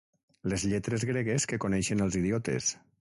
Les lletres gregues que coneixen els idiotes.